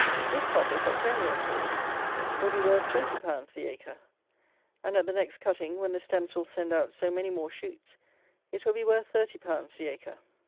This coppice, at ten years' growth, will be worth twenty pounds the acre; and, at the next cutting, when the stems will send out so many more shoots, it will be worth thirty pounds the acre.